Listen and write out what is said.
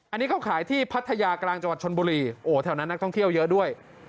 อันนี้เขาขายที่พัทยากลางจังหวัดชนบุรีโอ้โหแถวนั้นนักท่องเที่ยวเยอะด้วย